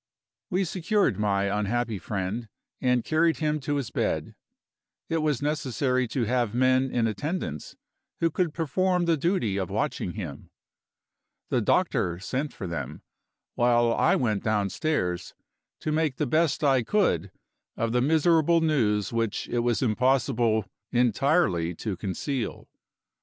We secured my unhappy friend, and carried him to his bed. It was necessary to have men in attendance who could perform the duty of watching him. The doctor sent for them, while I went downstairs to make the best I could of the miserable news which it was impossible entirely to conceal.